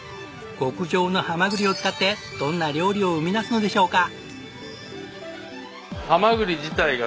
極上のハマグリを使ってどんな料理を生み出すのでしょうか？